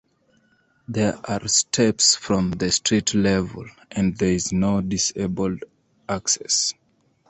There are steps from the street level and there is no disabled access.